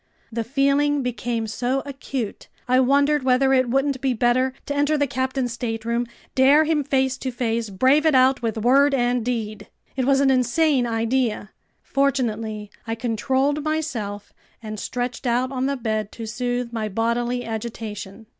The feeling became so acute, I wondered whether it wouldn't be better to enter the captain's stateroom, dare him face to face, brave it out with word and deed! It was an insane idea. Fortunately I controlled myself and stretched out on the bed to soothe my bodily agitation.